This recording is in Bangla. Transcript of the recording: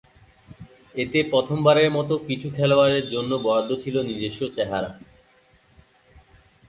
এতে প্রথমবারের মত কিছু খেলোয়াড়ের জন্য বরাদ্দ ছিল নিজস্ব চেহারা।